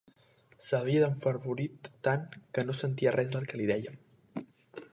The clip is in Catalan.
S'havia enfervorit tant, que no sentia res del que li dèiem.